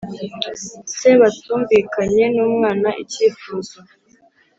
se batumvikanye n umwana icyifuzo